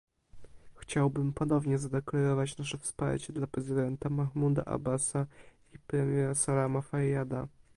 Chciałbym ponownie zadeklarować nasze wsparcie dla prezydenta Mahmuda Abbasa i premiera Salama Fayyada